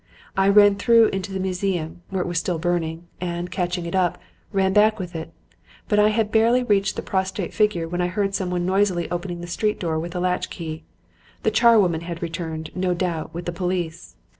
I ran through into the museum, where it was still burning, and, catching it up, ran back with it; but I had barely reached the prostrate figure when I heard someone noisily opening the street door with a latch key. The charwoman had returned, no doubt, with the police.